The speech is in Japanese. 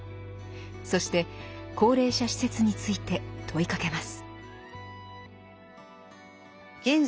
そして高齢者施設について問いかけます。